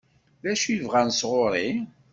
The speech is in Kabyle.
D acu i bɣan sɣur-i?